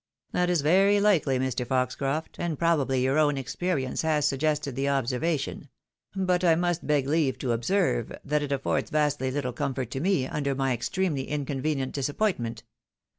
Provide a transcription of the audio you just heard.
" That is very likely, Mr. Foxcroft, and probably your own experience has suggested the observation ; but I must beg leave to observe that it affords vastly httle comfort to me, under my A gentleman's honouk at stake. 293 extremely inconvenient disappointment.